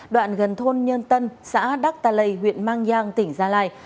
đoạn gần thôn nhân tân xã đắc tà lầy huyện mang giang tỉnh gia lai